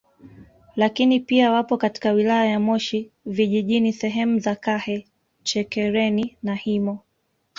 Lakini pia wapo katika wilaya ya Moshi Vijijini sehemu za Kahe Chekereni na Himo